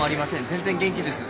全然元気です。